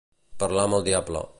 Parlar amb el diable.